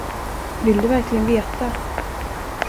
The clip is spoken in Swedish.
Vill du verkligen veta?